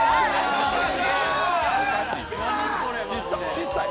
ちっさい。